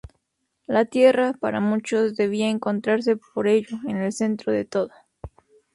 La Tierra, para muchos, debía encontrarse por ello en el centro de todo.